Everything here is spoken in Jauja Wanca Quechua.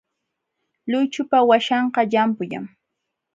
Luychupa waśhanqa llampullam.